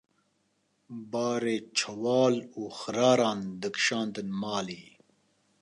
barê çewal û xiraran dikşandin malê.